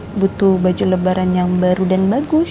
karena butuh baju lebaran yang baru dan bagus